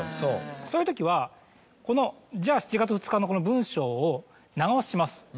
そういうときはこの「じゃあ７／２」のこの文章を長押しします